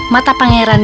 mata pangeran menangisnya